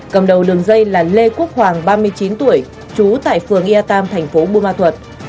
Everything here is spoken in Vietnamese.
cầm đầu đường dây là lê quốc hoàng ba mươi chín tuổi trú tại phường yatam thành phố bùa ma thuật